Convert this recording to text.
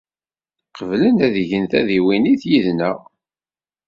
Qeblen ad gen tadiwennit yid-neɣ.